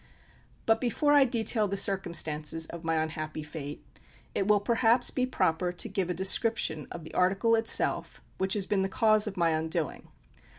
But before I detail the circumstances of my unhappy fate, it will perhaps be proper to give a description of the article itself which has been the cause of my undoing.